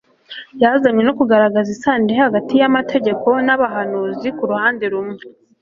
yazanywe no kugaragaza isano iri hagati y'amategeko n'abahanuzi ku ruhande rumwe,